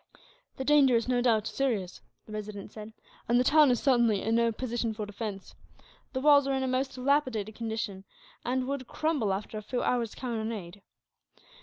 "The danger is, no doubt, serious," the Resident said; "and the town is certainly in no position for defence. The walls are in a most dilapidated condition, and would crumble after a few hours' cannonade.